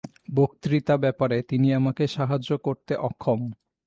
বক্তৃতা-ব্যাপারে তিনি আমাকে সাহায্য করতে অক্ষম।